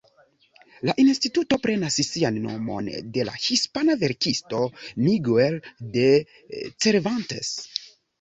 La instituto prenas sian nomon de la hispana verkisto Miguel de Cervantes.